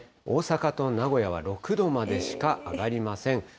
大阪と名古屋は６度までしか上がりません。